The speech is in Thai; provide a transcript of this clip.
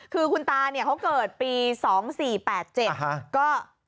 คือคุณตาเขาเกิดปี๒๔๘๗ก็๗๕๗๖